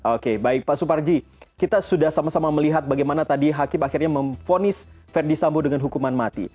oke baik pak suparji kita sudah sama sama melihat bagaimana tadi hakim akhirnya memfonis verdi sambo dengan hukuman mati